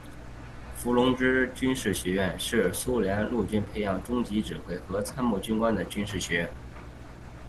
伏龙芝军事学院是苏联陆军培养中级指挥和参谋军官的军事院校。